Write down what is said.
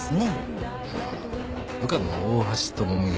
ねえ。